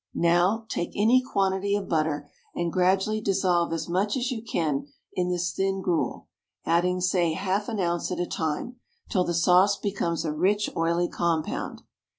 Now take any quantity of butter, and gradually dissolve as much as you can in this thin gruel, adding say half an ounce at a time, till the sauce becomes a rich oily compound.